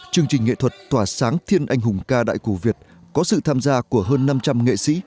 chương trình nghệ thuật tỏa sáng thiên anh hùng ca đại cổ việt có sự tham gia của hơn năm trăm linh nghệ sĩ